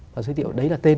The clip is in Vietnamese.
và giới thiệu đấy là tên